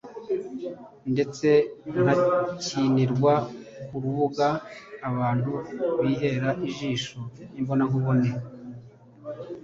ndetse n’akinirwa ku rubuga abantu bihera ijisho imbonankubone.